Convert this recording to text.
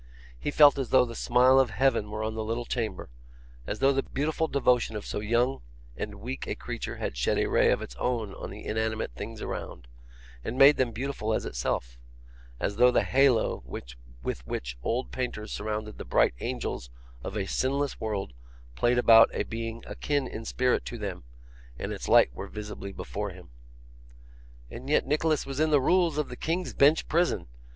He felt as though the smile of Heaven were on the little chamber; as though the beautiful devotion of so young and weak a creature had shed a ray of its own on the inanimate things around, and made them beautiful as itself; as though the halo with which old painters surround the bright angels of a sinless world played about a being akin in spirit to them, and its light were visibly before him. And yet Nicholas was in the Rules of the King's Bench Prison!